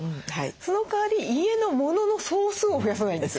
そのかわり家のモノの総数を増やさないんです。